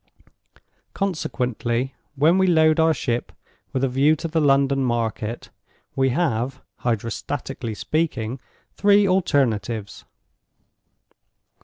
Consequently, when we load our ship with a view to the London market, we have (Hydrostatically speaking) three alternatives.